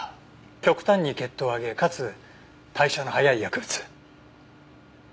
極端に血糖を上げかつ代謝の早い薬物。